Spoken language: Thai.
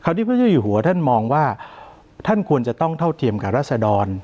ที่พระเจ้าอยู่หัวท่านมองว่าท่านควรจะต้องเท่าเทียมกับรัศดร